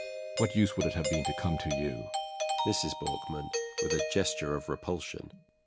What use would it have been to come to you? MRS. BORKMAN. [With a gesture of repulsion.